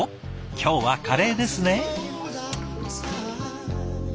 今日はカレーですね！